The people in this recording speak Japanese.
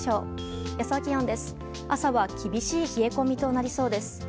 朝は厳しい冷え込みとなりそうです。